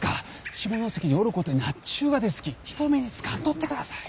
下関におることになっちゅうがですき人目につかんとってください！